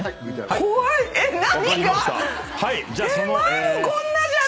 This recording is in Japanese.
前もこんなじゃん。